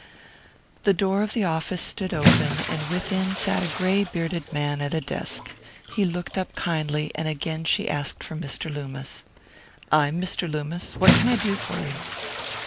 The door of the office stood open, and within sat a gray bearded man at a desk. He looked up kindly, and again she asked for Mr. Loomis. "I'm Mr. Loomis. What can I do for you?"